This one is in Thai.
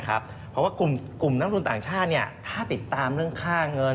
เพราะว่ากลุ่มนักทุนต่างชาติถ้าติดตามเรื่องค่าเงิน